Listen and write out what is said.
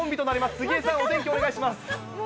杉江さん、お天気お願いします。